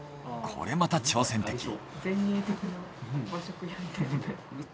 これまた挑戦的。